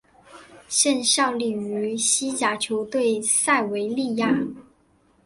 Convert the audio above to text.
现效力于西甲球队塞维利亚。